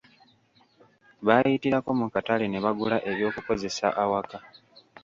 Baayitirako mu katale ne bagula eby'okukozesa awaka.